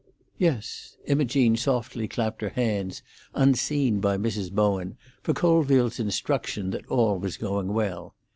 "Yes." Imogene softly clapped her hands, unseen by Mrs. Bowen, for Colville's instruction that all was going well.